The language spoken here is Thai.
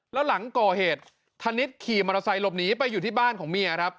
แล้วหลังก่อเหตุธนิษฐ์ขี่มอเตอร์ไซค์หลบหนีไปอยู่ที่บ้านของเมียครับ